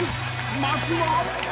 ［まずは］